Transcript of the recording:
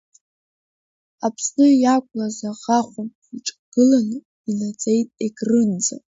Аԥсны иақәлаз аӷа хәымга иҿагыланы инаӡеит Егрынӡа.